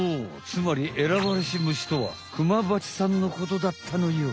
つまり「選ばれし虫」とはクマバチさんのことだったのよ。